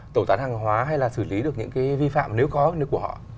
tẩu tán hàng hóa hay là xử lý được những cái vi phạm nếu có ước của họ